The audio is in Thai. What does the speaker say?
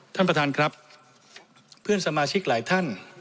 ท่านประธานครับเพื่อนสมาชิกหลายท่าน